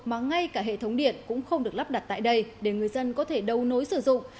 mà ngay cả hệ thống điện cũng không được lắp đặt tại đây để người dân có thể đấu nối sử dụng